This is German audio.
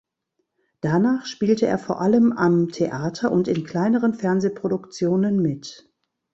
Danach spielte er vor allem am Theater und in kleineren Fernsehproduktionen mit.